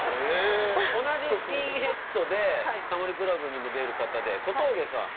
同じスキンヘッドで『タモリ倶楽部』にも出る方で小峠さん。